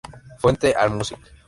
Fuente: "Allmusic".